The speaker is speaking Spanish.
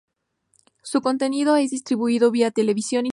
Su contenido es distribuido vía televisión, internet, periódico y radio.